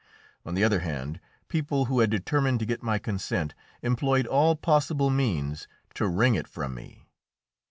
On the other hand, people who had determined to get my consent employed all possible means to wring it from me.